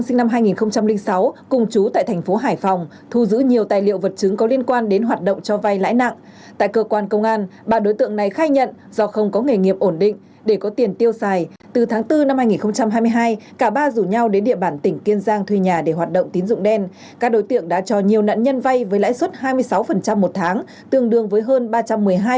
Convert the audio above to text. sinh năm một nghìn chín trăm bảy mươi hai chú thành phố hà nội lê quang tùng sinh năm một nghìn chín trăm chín mươi hai và bùi quốc anh